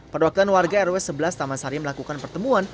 perwakilan warga rw sebelas taman sari melakukan pertemuan